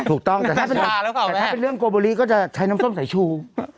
ถูกต้องแต่ถ้าเป็นเรื่องโกโบรีก็จะใช้น้ำส้มสายชู